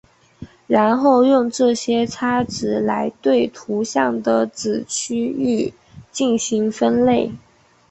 然后用这些差值来对图像的子区域进行分类。